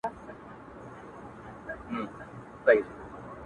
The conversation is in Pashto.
چي لمن د شپې خورېږي ورځ تېرېږي ـ